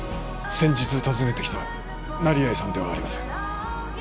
先日訪ねてきた成合さんではありません